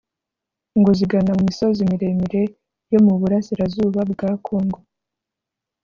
ngo zigana mu misozi miremire yo mu Burasirazuba bwa Congo